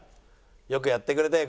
よくやってくれたよ